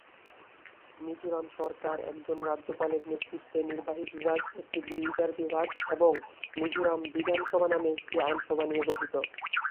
মিজোরাম সরকার একজন রাজ্যপালের নেতৃত্বে নির্বাহী বিভাগ, একটি বিচার বিভাগ এবং মিজোরাম বিধানসভা নামে একটি আইনসভা নিয়ে গঠিত।